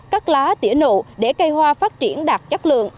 cắt lá tỉa nổ để cây hoa phát triển đạt chất lượng